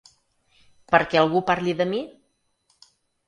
Perquè algú parli de mi?